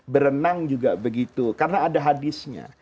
berenang juga begitu karena ada hadisnya